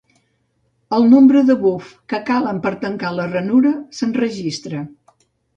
El nombre de bufs que calen per tancar la ranura s"enregistra.